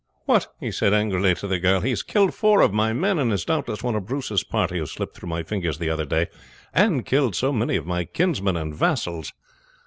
"What!" he said angrily to the girl; "he has killed four of my men, and is doubtless one of Bruce's party who slipped through my fingers the other day and killed so many of my kinsmen and vassals.